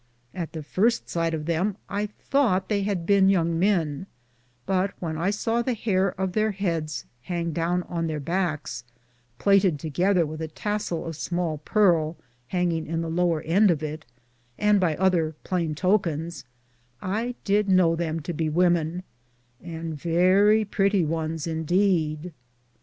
At the firste sighte of them I thoughte they had bene yonge men, but when I saw the hare of their heades hange doone on their backes, platted together with a tasle of smale pearle hanginge in the lower end of it, and by other plaine tokens, I did know them to be women, and verrie prettie ones in deede.